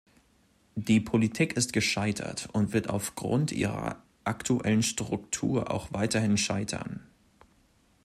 Die Politik ist gescheitert und wird aufgrund ihrer aktuellen Struktur auch weiterhin scheitern.